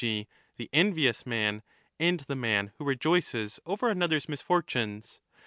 g. the envious man and the man who rejoices over another's misfortunes.